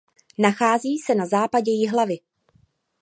Nachází se na západě Jihlavy.